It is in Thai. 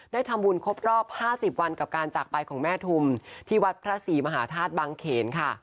ได้ทำบุญครบรอบ๕๐วันกับการจากไปของแม่ทุมที่วัดพระศรีมหาธาตุบังเขนค่ะ